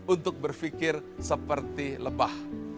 untuk berpikir seperti lebah